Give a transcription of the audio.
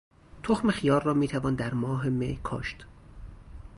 تخم خیار را میتوان در ماه مه کاشت.